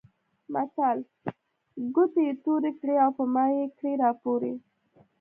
متل؛ ګوتې يې تورې کړې او په مايې کړې راپورې.